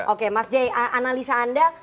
oke mas j analisa anda